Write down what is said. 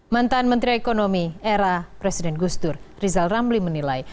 mantan menteri ekonomi era presiden gusdur rizal ramli menilai